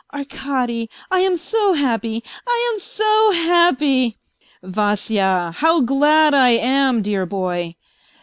" Arkady, I am so happy, I am so happy! "" Vasya ! how glad I am, dear boy